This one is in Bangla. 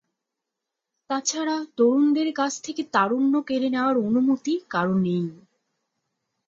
তাছাড়া, তরুণদের কাছ থেকে তারুণ্য কেড়ে নেওয়ার অনুমতি কারো নেই।